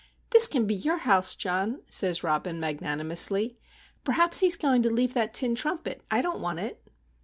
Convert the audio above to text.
"This can be your house, John," says Robin, magnanimously. "Perhaps he's going to leave that tin trumpet. I don't want it."